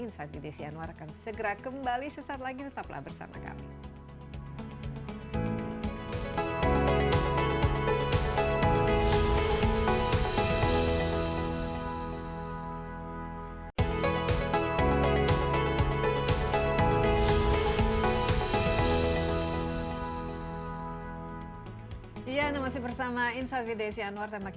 insanti desi anwar akan segera kembali sesaat lagi tetaplah bersama kami